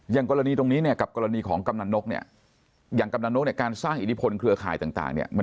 กรณีตรงนี้เนี่ยกับกรณีของกำนันนกเนี่ยอย่างกำนันนกเนี่ยการสร้างอิทธิพลเครือข่ายต่างเนี่ย